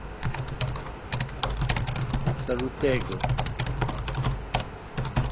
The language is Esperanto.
salutego